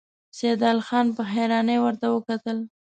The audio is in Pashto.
سيدال خان په حيرانۍ ورته وکتل.